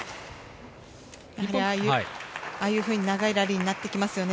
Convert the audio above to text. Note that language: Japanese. やはりああいうふうに長いラリーになってきますよね。